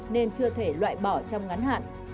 nên chưa thể loại bỏ trong ngắn hạn